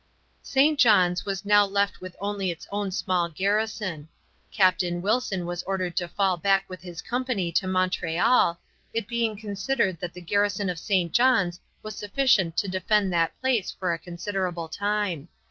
St. John's was now left with only its own small garrison. Captain Wilson was ordered to fall back with his company to Montreal, it being considered that the garrison of St. John's was sufficient to defend that place for a considerable time.